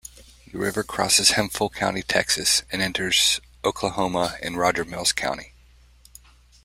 The river crosses Hemphill County, Texas and enters Oklahoma in Roger Mills County.